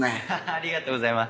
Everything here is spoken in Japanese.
ありがとうございます。